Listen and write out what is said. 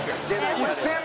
１０００万！？